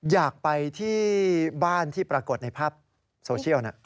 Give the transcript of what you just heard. อยากไปที่บ้านที่ปรากฏในภาพโซเชียล